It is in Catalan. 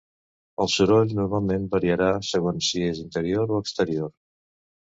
El soroll normalment variarà segons si és interior o exterior.